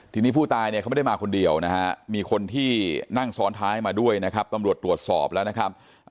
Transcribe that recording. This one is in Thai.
ทีนี้ผู้ตายเนี่ยเขาไม่ได้มาคนเดียวนะฮะมีคนที่นั่งซ้อนท้ายมาด้วยนะครับตำรวจตรวจสอบแล้วนะครับ